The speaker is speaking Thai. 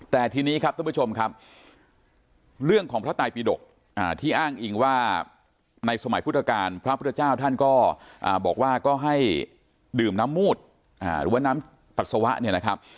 แต่ทีนี้ครับท่านผู้ชมครับเรื่องของพระตายปีดกที่อ้างอิงว่าในสมัยพุทธกาลพระพุทธเจ้าท่านก็บอกว่าก็ให้ดื่มน้ำมูดหรือว่าน้ำปัสสาวะเนี่ยนะครับ